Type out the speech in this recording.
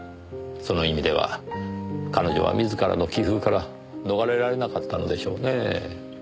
その意味では彼女は自らの棋風から逃れられなかったのでしょうねぇ。